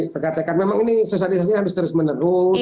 saya katakan memang ini sosialisasi harus terus menerus